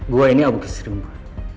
gue ini abu keserimu